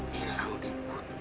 hilang di hutan